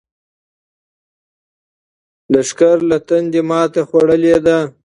لښکر له تندې ماتې خوړلې ده.